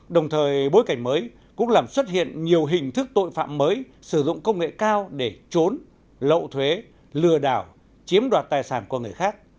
đồng thời bối cảnh mới cũng làm xuất hiện nhiều hình thức tội phạm mới sử dụng công nghệ cao để trốn lậu thuế lừa đảo chiếm đoạt tài sản của người khác